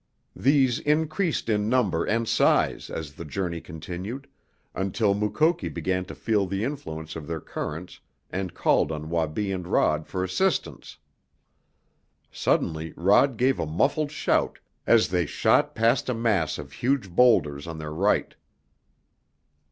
These increased in number and size as the journey continued, until Mukoki began to feel the influence of their currents and called on Wabi and Rod for assistance. Suddenly Rod gave a muffled shout as they shot past a mass of huge boulders on their right.